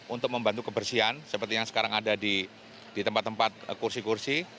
satu ratus lima puluh lima ratus untuk membantu kebersihan seperti yang sekarang ada di tempat tempat kursi kursi